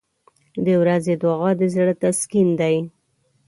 • د ورځې دعا د زړه تسکین دی.